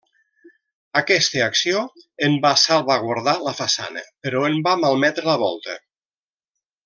Aquesta acció en va salvaguardar la façana però en va malmetre la volta.